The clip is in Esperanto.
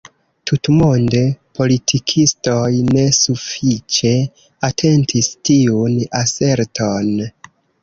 Tutmonde politikistoj ne sufiĉe atentis tiun aserton.